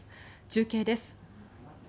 中継です。